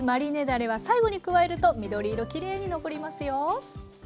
だれは最後に加えると緑色きれいに残りますよ。